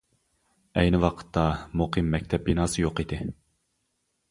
ئەينى ۋاقىتتا مۇقىم مەكتەپ بىناسى يوق ئىدى.